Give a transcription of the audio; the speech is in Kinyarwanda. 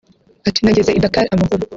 Ati “Nageze i Dakar amahoro